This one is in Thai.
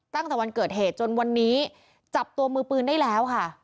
ตั้งแต่วันเกิดเหตุจนวันนี้จับตัวมือปืนได้แล้วค่ะ